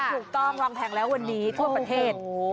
ถูกต้องวางแผงแล้ววันนี้ทั่วประเทศ